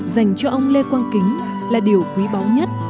dành cho ông lê quang kính là điều quý báu nhất